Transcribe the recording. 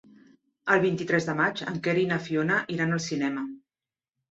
El vint-i-tres de maig en Quer i na Fiona iran al cinema.